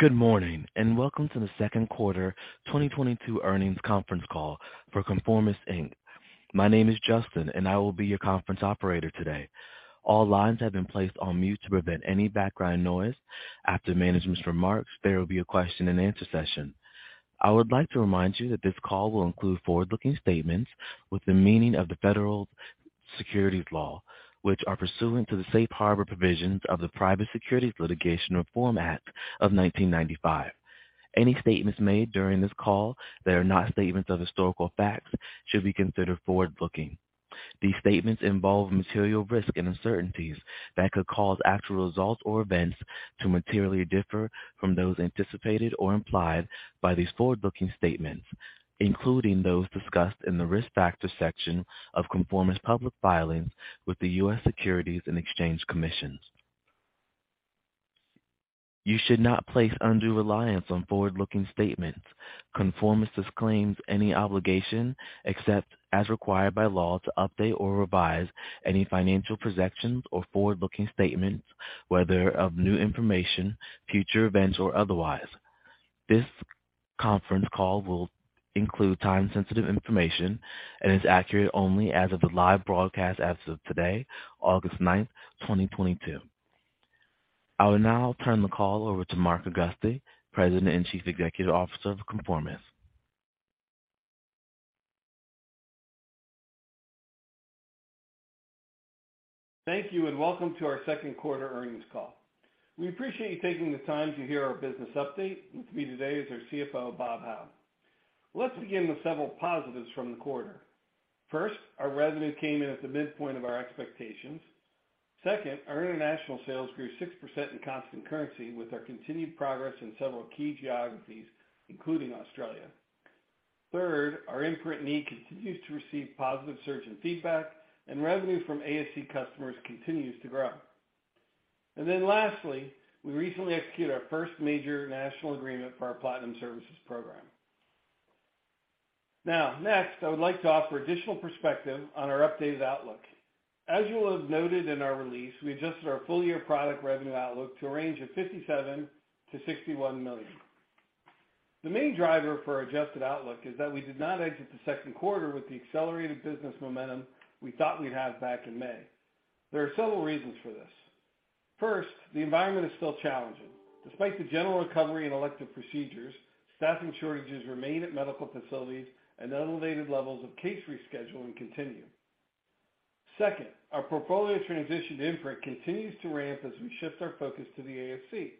Good morning, and welcome to the Second Quarter 2022 Earnings Conference Call for ConforMIS, Inc. My name is Justin, and I will be your conference operator today. All lines have been placed on mute to prevent any background noise. After management's remarks, there will be a question-and-answer session. I would like to remind you that this call will include forward-looking statements within the meaning of the federal securities laws, which are pursuant to the safe harbor provisions of the Private Securities Litigation Reform Act of 1995. Any statements made during this call that are not statements of historical facts should be considered forward-looking. These statements involve material risks and uncertainties that could cause actual results or events to materially differ from those anticipated or implied by these forward-looking statements, including those discussed in the Risk Factors section of ConforMIS public filings with the U.S. Securities and Exchange Commission. You should not place undue reliance on forward-looking statements. ConforMIS disclaims any obligation, except as required by law to update or revise any financial projections or forward-looking statements, whether of new information, future events, or otherwise. This conference call will include time-sensitive information and is accurate only as of the live broadcast as of today, August ninth, 2022. I will now turn the call over to Mark Augusti, President and Chief Executive Officer of ConforMIS. Thank you, and welcome to our second quarter earnings call. We appreciate you taking the time to hear our business update. With me today is our CFO, Bob Howe. Let's begin with several positives from the quarter. First, our revenue came in at the mid-point of our expectations. Second, our international sales grew 6% in constant currency with our continued progress in several key geographies, including Australia. Third, our Imprint knee continues to receive positive surgeon feedback, and revenue from ASC customers continues to grow. Lastly, we recently executed our first major national agreement for our Platinum Services program. Now, next, I would like to offer additional perspective on our updated outlook. As you will have noted in our release, we adjusted our full-year product revenue outlook to a range of $57 million-$61 million. The main driver for our adjusted outlook is that we did not exit the second quarter with the accelerated business momentum we thought we'd have back in May. There are several reasons for this. First, the environment is still challenging. Despite the general recovery in elective procedures, staffing shortages remain at medical facilities and elevated levels of case rescheduling continue. Second, our portfolio transition to Imprint continues to ramp as we shift our focus to the ASC.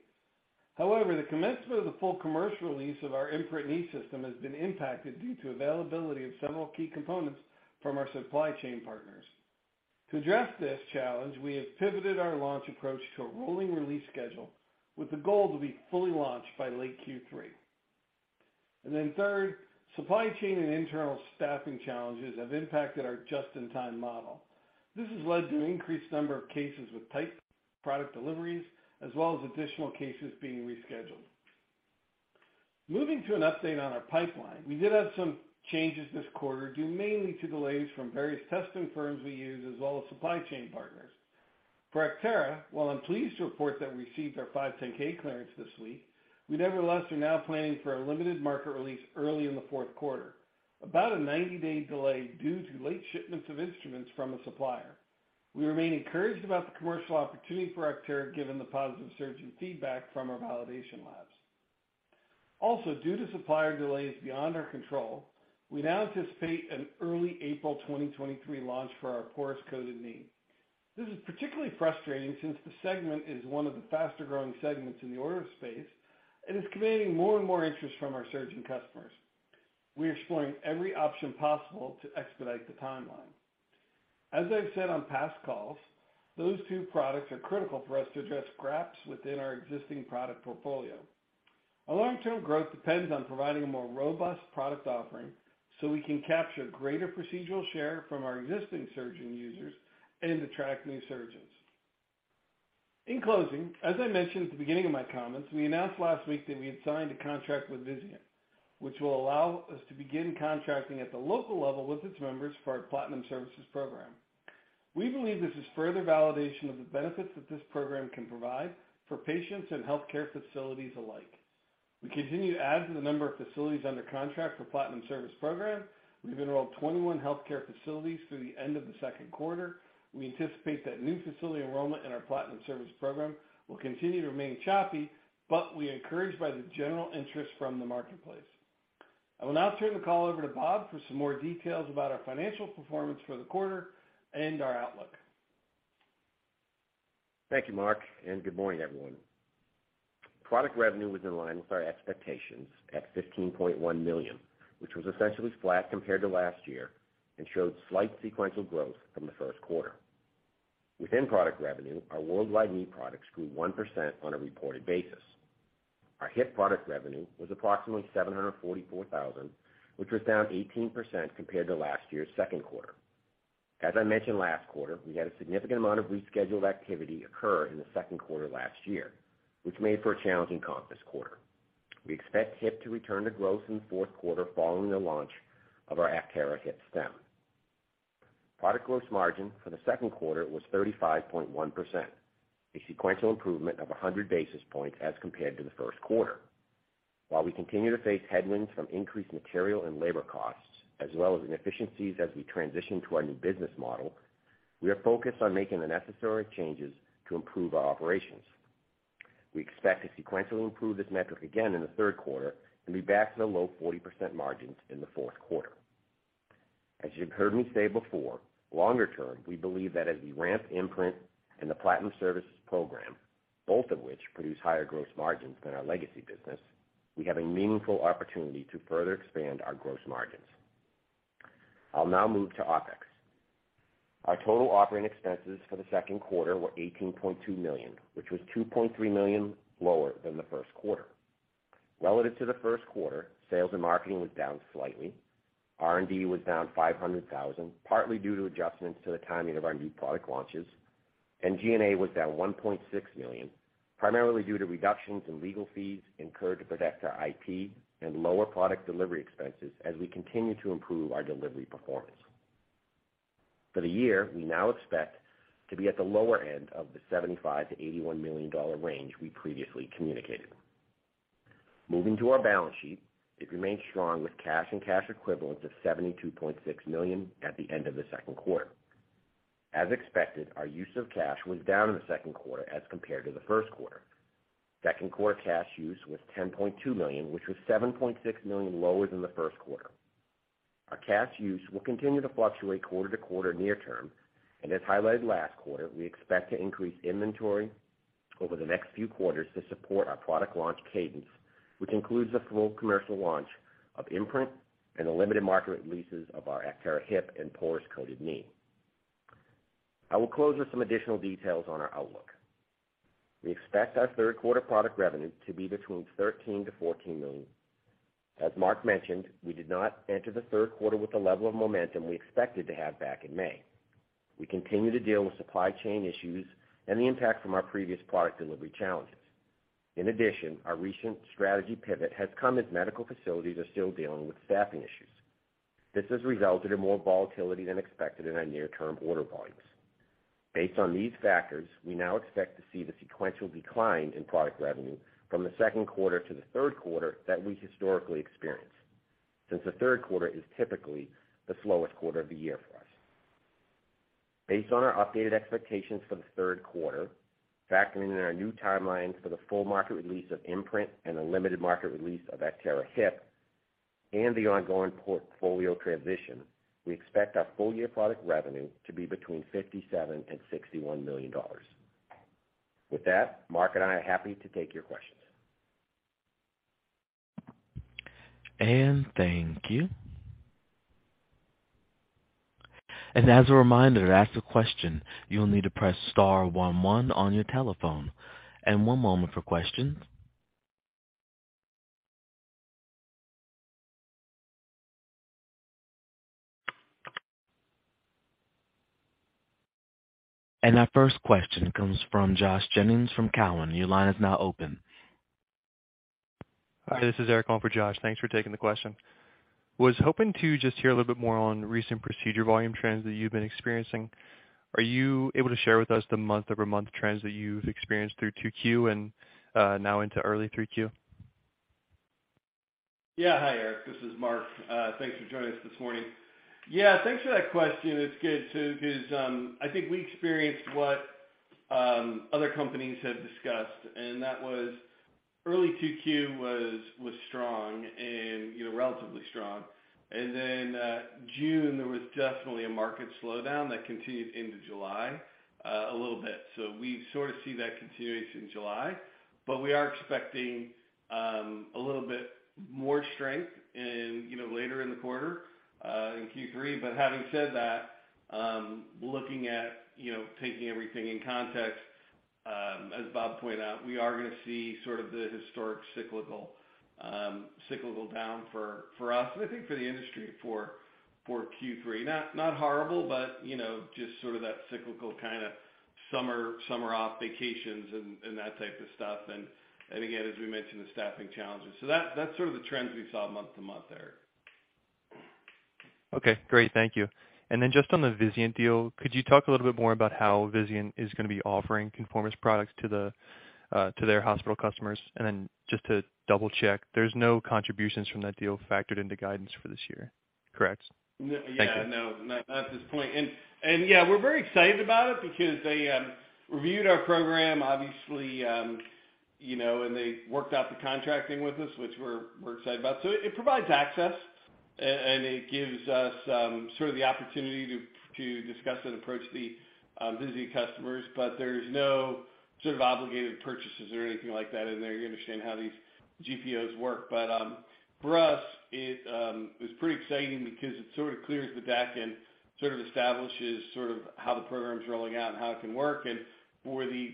However, the commencement of the full commercial release of our Imprint knee system has been impacted due to availability of several key components from our supply chain partners. To address this challenge, we have pivoted our launch approach to a rolling release schedule with the goal to be fully launched by late Q3. Third, supply chain and internal staffing challenges have impacted our just-in-time model. This has led to increased number of cases with tight product deliveries as well as additional cases being rescheduled. Moving to an update on our pipeline, we did have some changes this quarter due mainly to delays from various testing firms we use as well as supply chain partners. For Actera, while I'm pleased to report that we received our 510(k) clearance this week, we nevertheless are now planning for a limited market release early in the fourth quarter, about a 90-day delay due to late shipments of instruments from a supplier. We remain encouraged about the commercial opportunity for Actera given the positive surgeon feedback from our validation labs. Also, due to supplier delays beyond our control, we now anticipate an early April 2023 launch for our porous coated knee. This is particularly frustrating since the segment is one of the faster-growing segments in the ortho space and is commanding more and more interest from our surgeon customers. We are exploring every option possible to expedite the timeline. As I've said on past calls, those two products are critical for us to address gaps within our existing product portfolio. Our long-term growth depends on providing a more robust product offering so we can capture greater procedural share from our existing surgeon users and attract new surgeons. In closing, as I mentioned at the beginning of my comments, we announced last week that we had signed a contract with Vizient, which will allow us to begin contracting at the local level with its members for our Platinum Services program. We believe this is further validation of the benefits that this program can provide for patients and healthcare facilities alike. We continue to add to the number of facilities under contract for Platinum Services program. We've enrolled twenty one healthcare facilities through the end of the second quarter. We anticipate that new facility enrollment in our Platinum Services program will continue to remain choppy, but we are encouraged by the general interest from the marketplace. I will now turn the call over to Bob for some more details about our financial performance for the quarter and our outlook. Thank you, Mark, and good morning, everyone. Product revenue was in line with our expectations at $15.1 million, which was essentially flat compared to last year and showed slight sequential growth from the first quarter. Within product revenue, our worldwide knee products grew 1% on a reported basis. Our hip product revenue was approximately $744,000, which was down 18% compared to last year's second quarter. As I mentioned last quarter, we had a significant amount of rescheduled activity occur in the second quarter last year, which made for a challenging comp this quarter. We expect hip to return to growth in the fourth quarter following the launch of our Actera hip stem. Product gross margin for the second quarter was 35.1%, a sequential improvement of 100 basis points as compared to the first quarter. While we continue to face headwinds from increased material and labor costs as well as inefficiencies as we transition to our new business model, we are focused on making the necessary changes to improve our operations. We expect to sequentially improve this metric again in the third quarter and be back to the low 40% margins in the fourth quarter. As you've heard me say before, longer-term, we believe that as we ramp Imprint and the Platinum Services program, both of which produce higher gross margins than our legacy business, we have a meaningful opportunity to further expand our gross margins. I'll now move to OpEx. Our total operating expenses for the second quarter were $18.2 million, which was $2.3 million lower than the first quarter. Relative to the first quarter, sales and marketing was down slightly. R&D was down $500,000, partly due to adjustments to the timing of our new product launches. G&A was down $1.6 million, primarily due to reductions in legal fees incurred to protect our IP and lower product delivery expenses as we continue to improve our delivery performance. For the year, we now expect to be at the lower end of the $75-$81 million range we previously communicated. Moving to our balance sheet, it remains strong with cash and cash equivalents of $72.6 million at the end of the second quarter. As expected, our use of cash was down in the second quarter as compared to the first quarter. Second quarter cash use was $10.2 million, which was $7.6 million lower than the first quarter. Our cash use will continue to fluctuate quarter-to-quarter near-term, and as highlighted last quarter, we expect to increase inventory over the next few quarters to support our product launch cadence, which includes the full commercial launch of Imprint and the limited market releases of our Actera hip and porous coated knee. I will close with some additional details on our outlook. We expect our third quarter product revenue to be between $13 million-$14 million. As Mark mentioned, we did not enter the third quarter with the level of momentum we expected to have back in May. We continue to deal with supply chain issues and the impact from our previous product delivery challenges. In addition, our recent strategy pivot has come as medical facilities are still dealing with staffing issues. This has resulted in more volatility than expected in our near-term order volumes. Based on these factors, we now expect to see the sequential decline in product revenue from the second quarter to the third quarter that we historically experience, since the third quarter is typically the slowest quarter of the year for us. Based on our updated expectations for the third quarter, factoring in our new timelines for the full market release of Imprint and the limited market release of Actera hip and the ongoing portfolio transition, we expect our full year product revenue to be between $57 million and $61 million. With that, Mark and I are happy to take your questions. Thank you. As a reminder, to ask a question, you'll need to press star one one on your telephone. One moment for questions. Our first question comes from Josh Jennings from Cowen. Your line is now open. Hi, this is Eric, on for Josh. Thanks for taking the question. Was hoping to just hear a little bit more on recent procedure volume trends that you've been experiencing. Are you able to share with us the month-over-month trends that you've experienced through 2Q and, now into early 3Q? Yeah. Hi, Eric. This is Mark. Thanks for joining us this morning. Yeah, thanks for that question. It's good too, because I think we experienced what other companies have discussed, and that was early 2Q was strong and, you know, relatively strong. June there was definitely a market slowdown that continued into July, a little bit. We sort of see that continuation in July, but we are expecting a little bit more strength in, you know, later in the quarter, in Q3. Having said that, looking at, you know, taking everything in context, as Bob pointed out, we are gonna see sort of the historic cyclical down for us and I think for the industry for Q3. Not horrible, but you know, just sort of that cyclical kinda summer off vacations and that type of stuff. Again, as we mentioned, the staffing challenges. That's sort of the trends we saw month to month, Eric. Okay. Great. Thank you. Just on the Vizient deal, could you talk a little bit more about how Vizient is gonna be offering ConforMIS products to their hospital customers? Just to double-check, there's no contributions from that deal factored into guidance for this year, correct? Thank you. Yeah. No, not at this point. Yeah, we're very excited about it because they reviewed our program, obviously, you know, and they worked out the contracting with us, which we're excited about. It provides access and it gives us sort of the opportunity to discuss and approach the Vizient customers. There's no sort of obligated purchases or anything like that in there. You understand how these GPOs work. For us, it is pretty exciting because it sort of clears the deck and sort of establishes sort of how the program's rolling out and how it can work. For the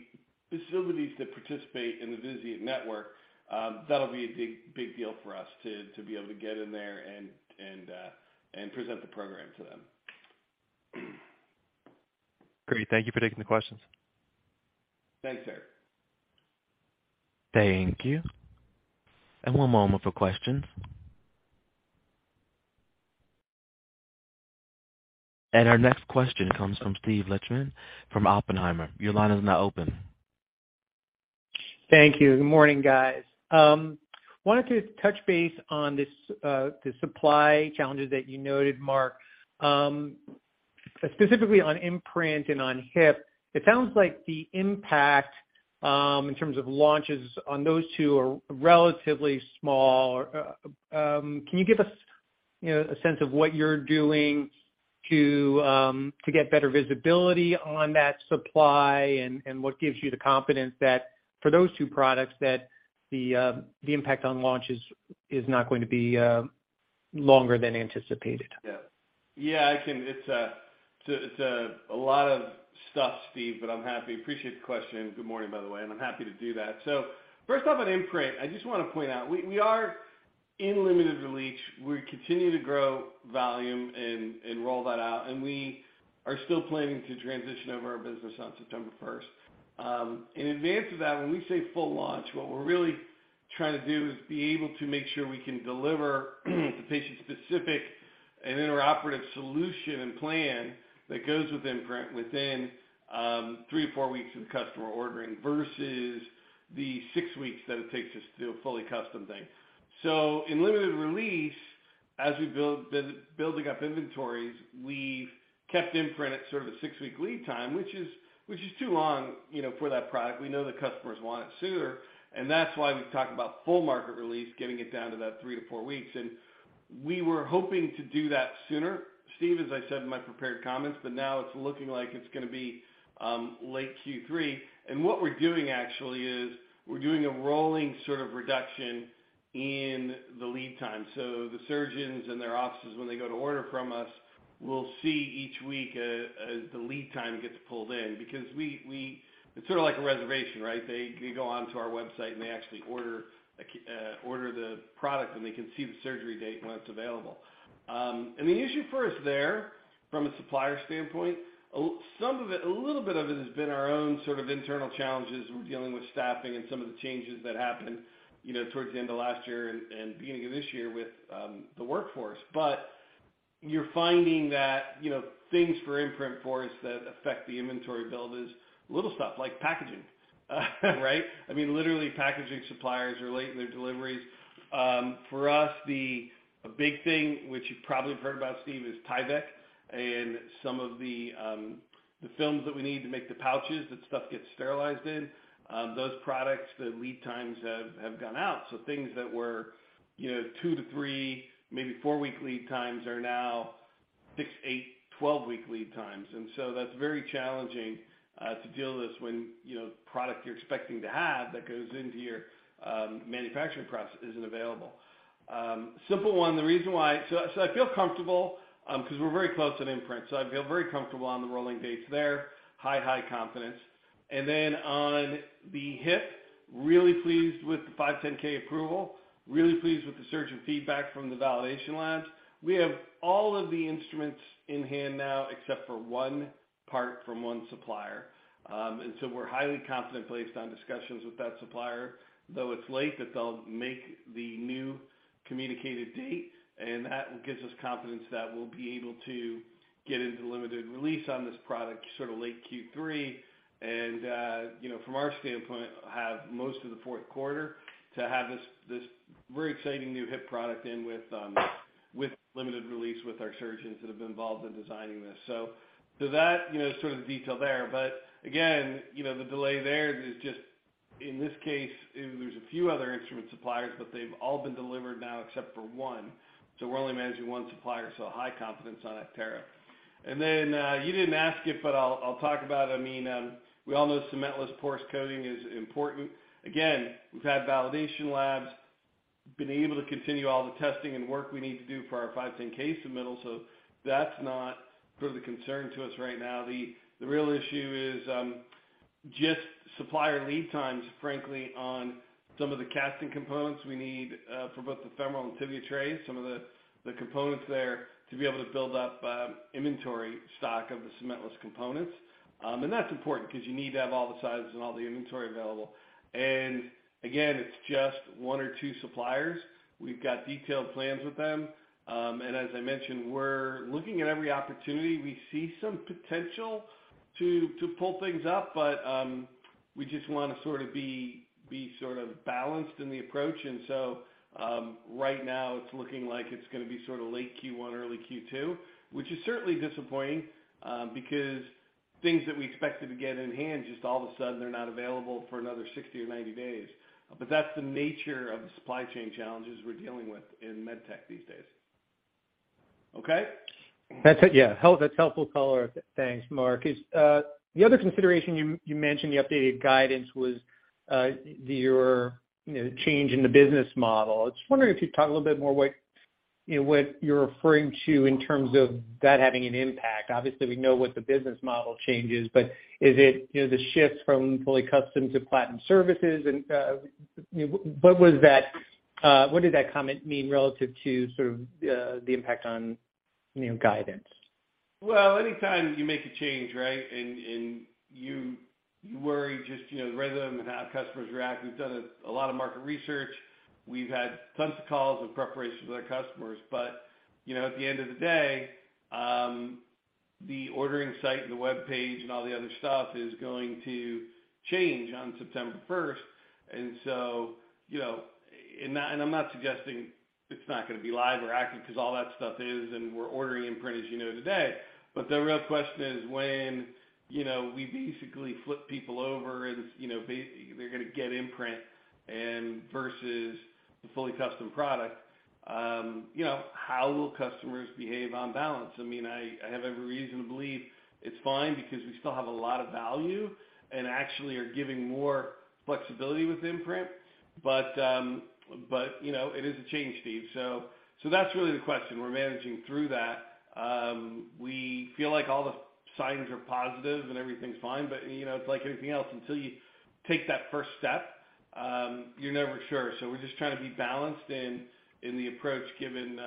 facilities that participate in the Vizient network, that'll be a big deal for us to be able to get in there and present the program to them. Great. Thank you for taking the questions. Thanks, Eric. Thank you. One moment for questions. Our next question comes from Steve Lichtman from Oppenheimer. Your line is now open. Thank you. Good morning, guys. Wanted to touch base on this, the supply challenges that you noted, Mark, specifically on Imprint and on Hip. It sounds like the impact, in terms of launches on those two are relatively small. Can you give us, you know, a sense of what you're doing to get better visibility on that supply and what gives you the confidence that for those two products that the impact on launch is not going to be longer than anticipated? Yeah. It's a lot of stuff, Steve, but I'm happy. Appreciate the question. Good morning, by the way, I'm happy to do that. First off, on Imprint, I just wanna point out we are in limited release. We continue to grow volume and roll that out, and we are still planning to transition over our business on September first. In advance of that, when we say full launch, what we're really trying to do is be able to make sure we can deliver the patient specific and intraoperative solution and plan that goes with Imprint within three, four-weeks of the customer ordering versus the six-weeks that it takes us to do a fully custom thing. In limited release, as we build building up inventories, we've kept Imprint at sort of a six-week lead time, which is too long, you know, for that product. We know the customers want it sooner, and that's why we've talked about full market release, getting it down to that 3-4 weeks. We were hoping to do that sooner, Steve, as I said in my prepared comments, but now it's looking like it's gonna be late Q3. What we're doing actually is we're doing a rolling sort of reduction in the lead time. The surgeons and their offices, when they go to order from us, will see each week as the lead time gets pulled in because it's sort of like a reservation, right? They go onto our website and they actually order the product, and they can see the surgery date when it's available. The issue for us there, from a supplier standpoint, some of it, a little bit of it has been our own sort of internal challenges. We're dealing with staffing and some of the changes that happened, you know, towards the end of last year and beginning of this year with the workforce. You're finding that, you know, things for Imprint for us that affect the inventory build is little stuff like packaging, right? I mean, literally packaging suppliers are late in their deliveries. For us, a big thing which you've probably heard about, Steve, is Tyvek and some of the films that we need to make the pouches that stuff gets sterilized in. Those products, the lead times have gone out. Things that were, you know, 2-3, maybe four-week lead times are now six, eight, twelve-week lead times. That's very challenging to deal with this when you know, the product you're expecting to have that goes into your manufacturing process isn't available. Simple one, the reason why I feel comfortable 'cause we're very close on Imprint, so I feel very comfortable on the rolling dates there. High confidence. On the hip, really pleased with the 510(k) approval, really pleased with the surgeon feedback from the validation labs. We have all of the instruments in hand now except for one part from one supplier. We're highly confident based on discussions with that supplier, though it's late, that they'll make the new communicated date. That gives us confidence that we'll be able to get into limited release on this product sort of late Q3 and, you know, from our standpoint, have most of the fourth quarter to have this very exciting new hip product in with limited release with our surgeons that have been involved in designing this. So to that, you know, sort of detail there, but again, you know, the delay there is just in this case, there's a few other instrument suppliers, but they've all been delivered now except for one. So we're only managing one supplier, so high confidence on that target. You didn't ask it, but I'll talk about, I mean, we all know cementless porous coating is important. Again, we've had validation labs been able to continue all the testing and work we need to do for our 510(k) submittal. That's not sort of the concern to us right now. The real issue is just supplier lead times, frankly, on some of the casting components we need for both the femoral and tibia trays, some of the components there to be able to build up inventory stock of the cementless components. That's important 'cause you need to have all the sizes and all the inventory available. Again, it's just one or two suppliers. We've got detailed plans with them. As I mentioned, we're looking at every opportunity. We see some potential to pull things up, but we just wanna be sort of balanced in the approach. Right now it's looking like it's gonna be sort of late Q1, early Q2, which is certainly disappointing, because things that we expected to get in hand, just all of a sudden they're not available for another 60 or 90 days. That's the nature of the supply chain challenges we're dealing with in med tech these days. Okay? That's it. Yeah. That's helpful color. Thanks, Mark. Is the other consideration you mentioned the updated guidance was your, you know, change in the business model. I was just wondering if you could talk a little bit more what, you know, what you're referring to in terms of that having an impact. Obviously, we know what the business model change is, but is it, you know, the shifts from fully custom to Platinum Services? You know, what did that comment mean relative to sort of the impact on, you know, guidance? Well, anytime you make a change, right? You worry just, you know, the rhythm and how customers react. We've done a lot of market research. We've had tons of calls in preparation with our customers. You know, at the end of the day, the ordering site and the webpage and all the other stuff is going to change on September first. You know, and I'm not suggesting it's not gonna be live or active, because all that stuff is, and we're ordering Imprint, as you know, today. The real question is when, you know, we basically flip people over and, you know, they're gonna get Imprint and versus the fully custom product, you know, how will customers behave on balance? I mean, I have every reason to believe it's fine because we still have a lot of value, and actually are giving more flexibility with Imprint. You know, it is a change, Steve. That's really the question. We're managing through that. We feel like all the signs are positive and everything's fine, but you know, it's like anything else, until you take that first step, you're never sure. We're just trying to be balanced in the approach given,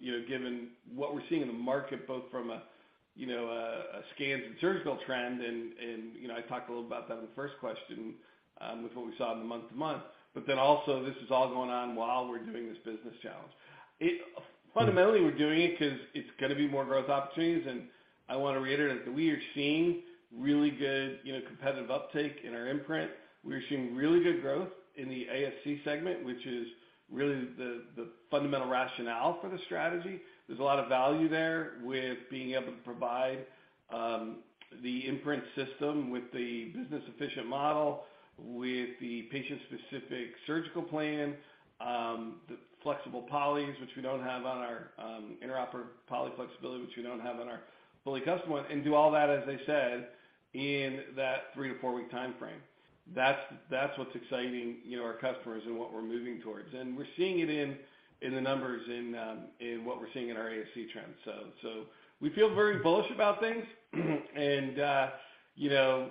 you know, given what we're seeing in the market, both from a scans and surgical trend, and you know, I talked a little about that in the first question, with what we saw in the month-to-month. Then also this is all going on while we're doing this business challenge. It. Fundamentally we're doing it 'cause it's gonna be more growth opportunities, and I wanna reiterate that we are seeing really good, you know, competitive uptake in our Imprint. We are seeing really good growth in the ASC segment, which is really the fundamental rationale for the strategy. There's a lot of value there with being able to provide the Imprint system with the business efficient model, with the patient-specific surgical plan, the flexible polys, which we don't have on our intraoperative poly flexibility, which we don't have on our fully custom one, and do all that, as I said, in that three, four-week timeframe. That's what's exciting, you know, our customers and what we're moving towards. We're seeing it in the numbers in what we're seeing in our ASC trends. We feel very bullish about things. You know,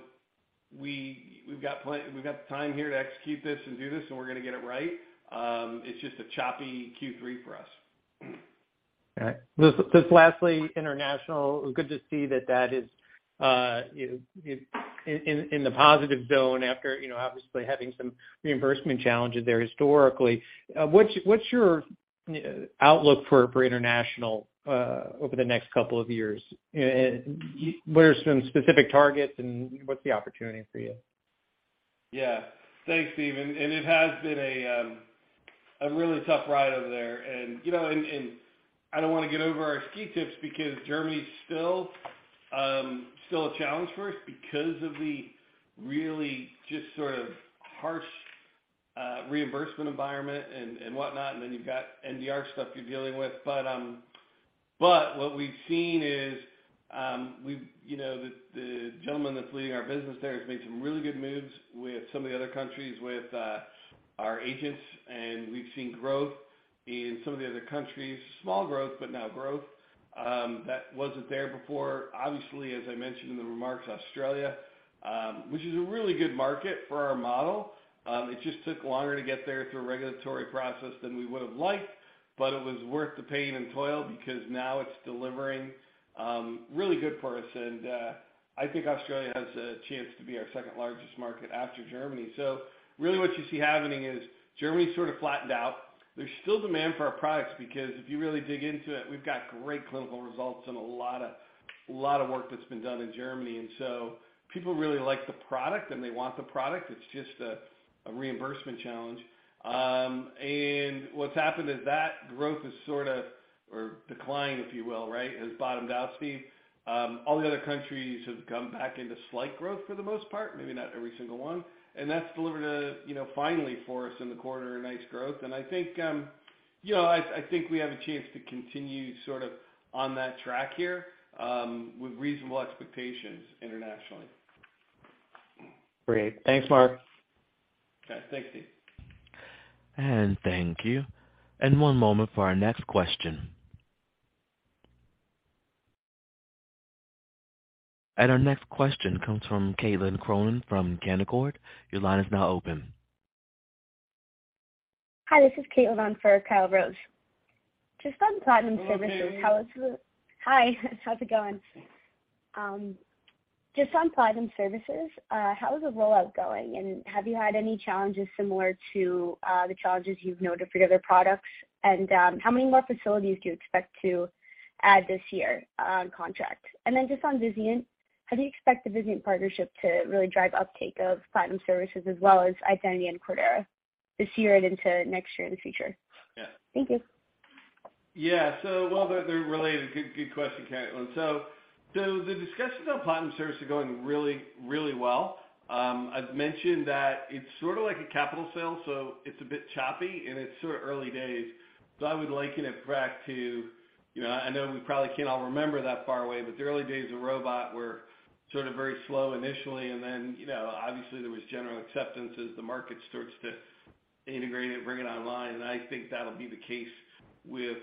we've got the time here to execute this and do this, and we're gonna get it right. It's just a choppy Q3 for us. All right. Just lastly, international. Good to see that is in the positive zone after, you know, obviously having some reimbursement challenges there historically. What's your outlook for international over the next couple of years? What are some specific targets, and what's the opportunity for you? Yeah. Thanks, Steve. It has been a really tough ride over there. You know, I don't wanna get ahead of our skis because Germany's still a challenge for us because of the really just sort of harsh reimbursement environment and whatnot, and then you've got MDR stuff you're dealing with. What we've seen is, you know, the gentleman that's leading our business there has made some really good moves with some of the other countries with our agents, and we've seen growth in some of the other countries. Small growth, but growth that wasn't there before. Obviously, as I mentioned in the remarks, Australia, which is a really good market for our model, it just took longer to get there through a regulatory process than we would've liked. It was worth the pain and toil because now it's delivering, really good for us. I think Australia has a chance to be our second largest market after Germany. Really what you see happening is Germany sort of flattened out. There's still demand for our products because if you really dig into it, we've got great clinical results and a lot of work that's been done in Germany. People really like the product and they want the product. It's just a reimbursement challenge. What's happened is that growth is sort of declining, if you will, right, has bottomed out, Steve. All the other countries have come back into slight growth for the most part, maybe not every single one. That's delivered, you know, finally for us in the quarter, a nice growth. I think you know I think we have a chance to continue sort of on that track here with reasonable expectations internationally. Great. Thanks, Mark. Okay. Thanks, Steve. Thank you. One moment for our next question. Our next question comes from Kyle Rose from Canaccord. Your line is now open. Hi, this is Caitlin on for Kyle Rose. Just on Platinum Services, how is the- Okay. Hi. How's it going? Just on Platinum Services, how is the rollout going? Have you had any challenges similar to the challenges you've noted for your other products? How many more facilities do you expect to add this year on contract? Just on Vizient, how do you expect the Vizient partnership to really drive uptake of Platinum Services as well as Identity and Cordera this year and into next year in the future? Yeah. Thank you. Yeah. Well, they're related. Good question, Caitlin. The discussions on Platinum Services are going really well. I've mentioned that it's sort of like a capital sale, so it's a bit choppy and it's sort of early days, but I would liken it back to, you know, I know we probably can't all remember that far away, but the early days of robotic were sort of very slow initially. Then, you know, obviously there was general acceptance as the market starts to integrate it and bring it online. I think that'll be the case with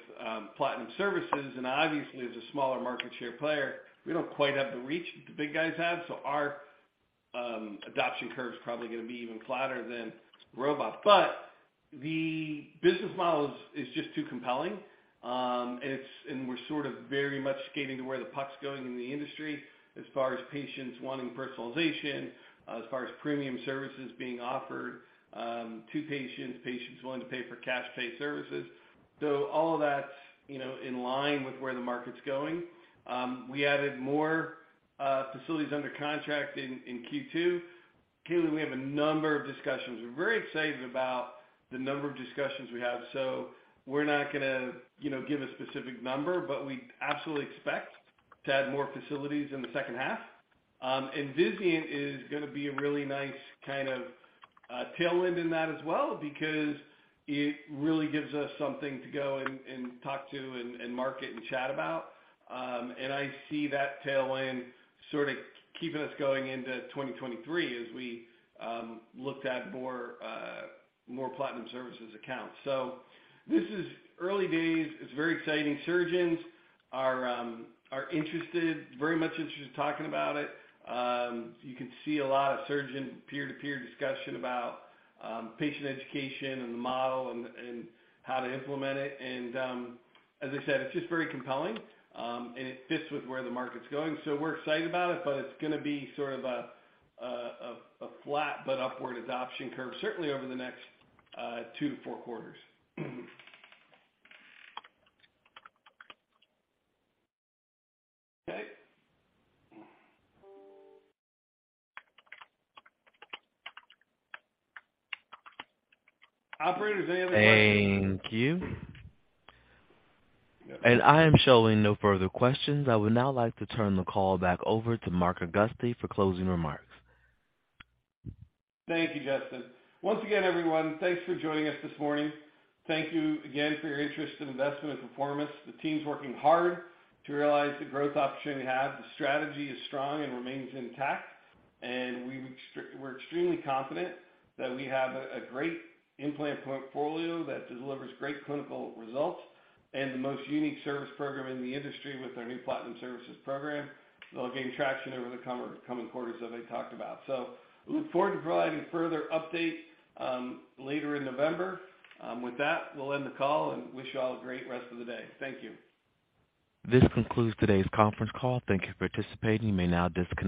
Platinum Services. Obviously as a smaller market share player, we don't quite have the reach that the big guys have. So our adoption curve is probably gonna be even flatter than robotics. But the business model is just too compelling, and it's. We're sort of very much skating to where the puck's going in the industry as far as patients wanting personalization, as far as premium services being offered to patients willing to pay for cash pay services. All of that's, you know, in line with where the market's going. We added more facilities under contract in Q2. Caitlin, we have a number of discussions. We're very excited about the number of discussions we have, so we're not gonna, you know, give a specific number, but we absolutely expect to add more facilities in the second half. Vizient is gonna be a really nice kind of tailwind in that as well because it really gives us something to go and talk to and market and chat about. I see that tailwind sort of keeping us going into 2023 as we looked at more Platinum Services accounts. This is early days. It's very exciting. Surgeons are interested, very much interested in talking about it. You can see a lot of surgeon peer-to-peer discussion about patient education and the model and how to implement it. As I said, it's just very compelling, and it fits with where the market's going. We're excited about it, but it's gonna be sort of a flat but upward adoption curve, certainly over the next 2-4 quarters. Okay. Operator, do they have any questions? Thank you. I am showing no further questions. I would now like to turn the call back over to Mark Augusti for closing remarks. Thank you, Justin. Once again, everyone, thanks for joining us this morning. Thank you again for your interest and investment in ConforMIS. The team's working hard to realize the growth opportunity we have. The strategy is strong and remains intact, and we're extremely confident that we have a great implant portfolio that delivers great clinical results and the most unique service program in the industry with our new Platinum Services program that'll gain traction over the coming quarters that I talked about. We look forward to providing further update later in November. With that, we'll end the call and wish you all a great rest of the day. Thank you. This concludes today's conference call. Thank you for participating. You may now disconnect.